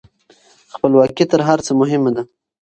خپلواکي تر هر څه مهمه ده.